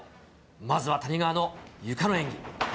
まずは谷川のゆかの演技。